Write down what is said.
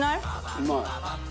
うまい！